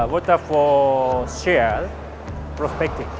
water forum berkaitan perspektif